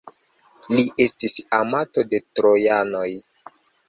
Li estis amato de trojanoj.